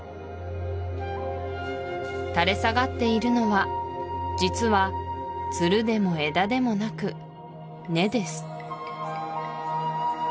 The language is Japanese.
垂れ下がっているのは実はツルでも枝でもなく根です